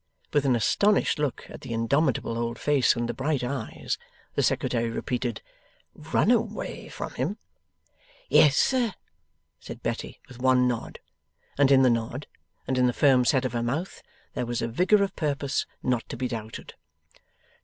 With an astonished look at the indomitable old face and the bright eyes, the Secretary repeated, 'Run away from him?' 'Yes, sir,' said Betty, with one nod. And in the nod and in the firm set of her mouth, there was a vigour of purpose not to be doubted.